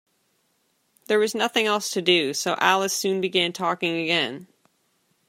There was nothing else to do, so Alice soon began talking again.